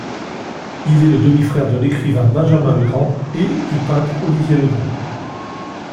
Il est le demi-frère de l'écrivain Benjamin Legrand et du peintre Olivier Legrand.